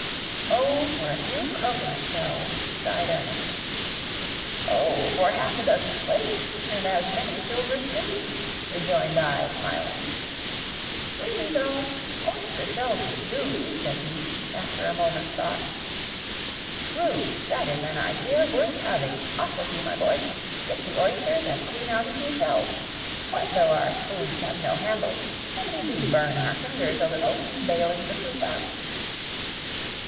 "Oh, for a few cocoanut shells!" sighed Ernest. "Oh, for half a dozen plates and as many silver spoons!" rejoined I, smiling. "Really though, oyster shells would do," said he, after a moment's thought. "True, that is an idea worth having! Off with you, my boys; get the oysters and clean out a few shells. What though our spoons have no handles, and we do burn our fingers a little in baling the soup out."